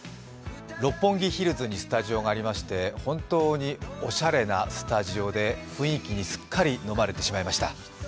六本木ヒルズにスタジオがありまして、本当におしゃれなスタジオで雰囲気にすっかり飲まれてしまいました。